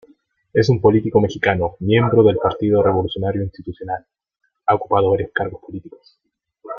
Es un político mexicano, miembro del Partido Revolucionario Institucional, ha ocupado varios cargos políticos.